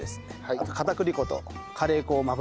あと片栗粉とカレー粉をまぶしてください。